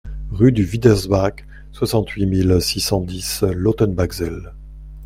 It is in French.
Rue du Widersbach, soixante-huit mille six cent dix Lautenbachzell